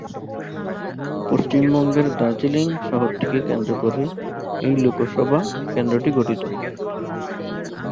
পশ্চিমবঙ্গের দার্জিলিং শহরটিকে কেন্দ্র করে এই লোকসভা কেন্দ্রটি গঠিত।